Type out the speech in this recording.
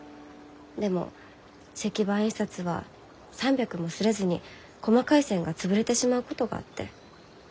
でも石版印刷は３００も刷れずに細かい線が潰れてしまうことがあって。